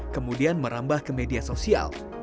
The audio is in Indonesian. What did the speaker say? kemudian merambah ke media sosial